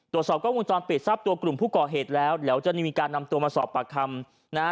ตรวจสอบกล้องวงจรปิดทรัพย์ตัวกลุ่มผู้ก่อเหตุแล้วเดี๋ยวจะมีการนำตัวมาสอบปากคำนะฮะ